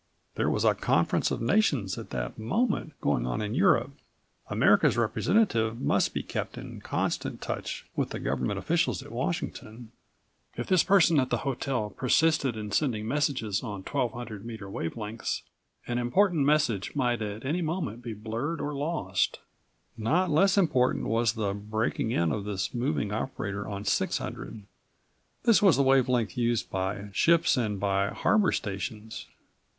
There was a conference of nations at that moment going on in Europe. America's representative must be kept in constant touch with the government officials at Washington. If this person at the hotel persisted in sending messages on 1200 meter wave lengths an important message might at any moment be blurred or lost. Not less important was the breaking in of this moving operator on 600. This was the wave length used by ships and by harbor stations.